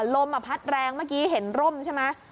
ลมพัดแรงเมื่อกี้เห็นร่มใช่ไหม